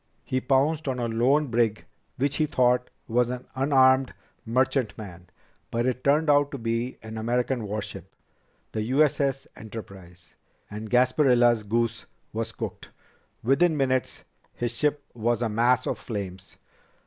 He pounced on a lone brig which he thought was an unarmed merchantman, but it turned out to be an American warship, the U.S.S. Enterprise. And Gasparilla's goose was cooked. Within minutes, his ship was a mass of flames."